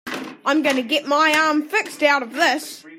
I'm gonna get my arm fixed out of this.